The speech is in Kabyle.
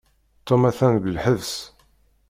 Tom atan deg lḥebs.